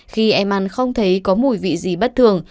khi em ăn không thấy có mùi vị gì bất thường